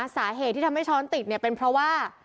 สาเหตุที่ทำให้ช้อนติดเนี่ยเป็นเพราะว่า